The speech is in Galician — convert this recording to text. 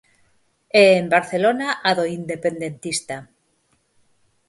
E en Barcelona, a do independentista.